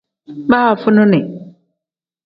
Baavunini.